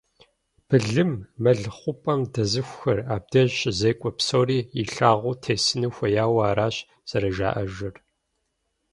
Былым, мэл хъупӏэм дэзыхухэр, абдеж щызекӏуэ псори илъагъуу тесыну хуеяуэ аращ зэрыжаӏэжыр.